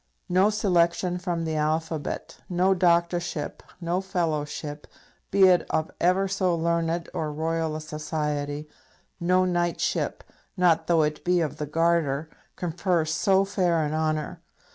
No selection from the alphabet, no doctorship, no fellowship, be it of ever so learned or royal a society, no knightship, not though it be of the Garter, confers so fair an honour.